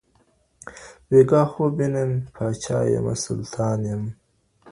بیګا خوب وینم پاچا یمه سلطان یم